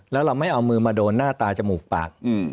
แล้วเราไม่เอามือมาโดนหน้าตาจมูกปาก